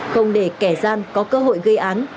không để kẻ gian có cơ hội gây án